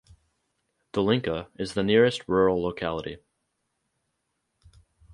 Dolinka is the nearest rural locality.